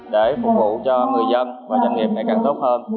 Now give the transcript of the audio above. để phục vụ cho người dân và doanh nghiệp ngày càng tốt hơn